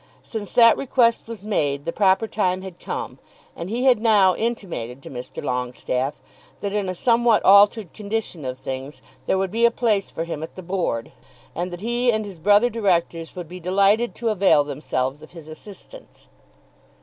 Since that request was made the proper time had come, and he had now intimated to Mr. Longestaffe that in a somewhat altered condition of things there would be a place for him at the Board, and that he and his brother directors would be delighted to avail themselves of his assistance.